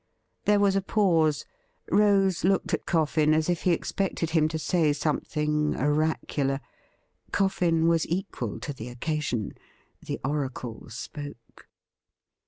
There was a pause. Rose looked at Coffin as if he ex pected him to say something oracular. Coffin was equal to tiie occasion. The oracle spoke.